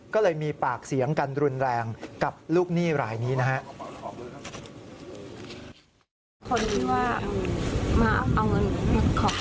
ก็เลยมีปากเสียงกันรุนแรงกับลูกหนี้รายนี้นะครับ